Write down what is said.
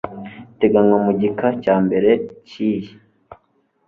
biteganywa mu gika cya mbere cy iyi